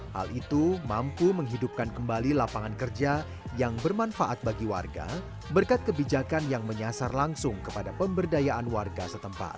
hal itu mampu menghidupkan kembali lapangan kerja yang bermanfaat bagi warga berkat kebijakan yang menyasar langsung kepada pemberdayaan warga setempat